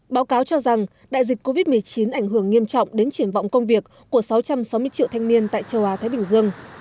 báo cáo cho rằng đại dịch covid một mươi chín ảnh hưởng nghiêm trọng đến triển vọng công việc của sáu trăm sáu mươi triệu thanh niên tại châu á thái bình dương